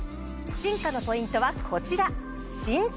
進化のポイントはこちら。